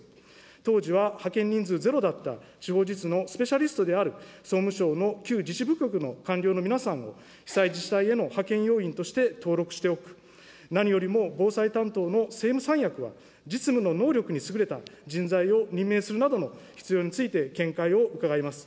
当時は、派遣人数ゼロだった地方自治のスペシャリストである総務省の旧自治部局の官僚の皆さんを被災自治体への派遣要員として登録しておく、何よりも防災担当の政務三役は実務の能力に優れた人材を任命するなどの必要について見解を伺います。